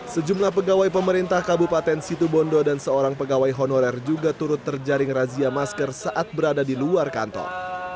sejumlah pegawai pemerintah kabupaten situbondo dan seorang pegawai honorer juga turut terjaring razia masker saat berada di luar kantor